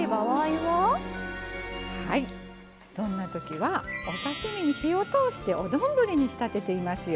はいそんな時はお刺身に火を通してお丼に仕立てていますよ。